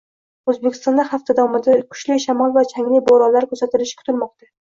O‘zbekistonda hafta davomida kuchli shamol va changli bo‘ronlar kuzatilishi kutilmoqda